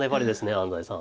安斎さん